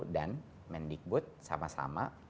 dan mendikbud sama sama